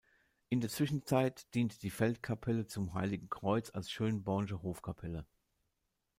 In der Zwischenzeit diente die Feldkapelle zum heiligen Kreuz als Schönborn’sche Hofkapelle.